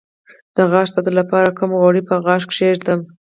د غاښ درد لپاره کوم غوړي په غاښ کیږدم؟